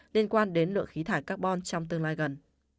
liên quan đến lượng khí thải carbon trong tương lai gần